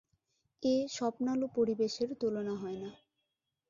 এ স্বপ্নালু পরিবেশের তুলনা হয় না।